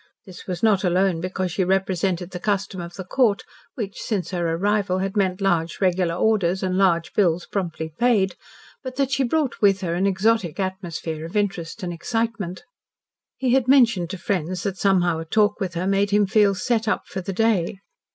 This was not alone because she represented the custom of the Court, which since her arrival had meant large regular orders and large bills promptly paid, but that she brought with her an exotic atmosphere of interest and excitement. He had mentioned to friends that somehow a talk with her made him feel "set up for the day."